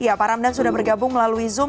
ya pak ramdan sudah bergabung melalui zoom